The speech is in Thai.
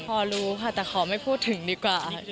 พอรู้ค่ะแต่ขอไม่พูดถึงดีกว่า